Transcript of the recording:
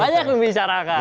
banyak yang membicarakan